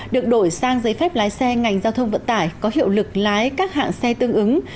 được đổi sang giấy phép lái xe ngành giao thông vận tải có hiệu lực lái các hạng xe tương ứng